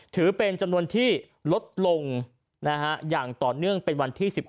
ถือเป็นจำนวนที่ลดลงอย่างต่อเนื่องเป็นวันที่๑๖